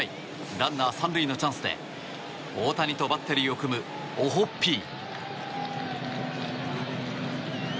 ランナー３塁のチャンスで大谷とバッテリーを組むオホッピー。